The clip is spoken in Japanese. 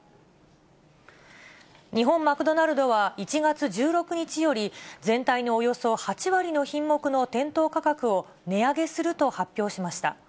日本マクドナルドは１月１６日より、全体のおよそ８割の品目の店頭価格を、値上げすると発表しました。